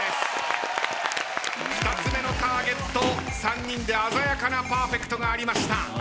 ２つ目のターゲット３人で鮮やかなパーフェクトがありました。